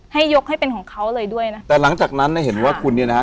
ให้ยกให้เป็นของเขาเลยด้วยนะคะแต่หลังจากนั้นเนี่ยเห็นว่าคุณเนี่ยนะฮะ